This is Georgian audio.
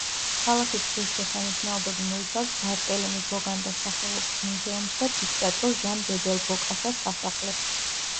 ქალაქის ღირსშესანიშნაობები მოიცავს ბარტელემი ბოგანდას სახელობის მუზეუმს და დიქტატორ ჟან ბედელ ბოკასას სასახლეს.